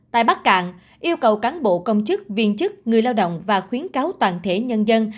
tại bắc cạn yêu cầu cán bộ công chức viên chức người lao động và khuyến cáo toàn thể nhân dân